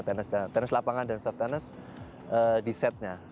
tennis lapangan dan soft tennis di set nya